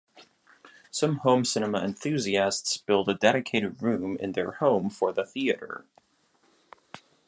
Some home cinema enthusiasts build a dedicated room in their home for the theater.